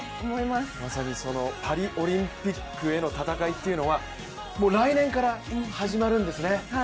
まさにそのパリオリンピックへの戦いというのが来年から始まるんですね。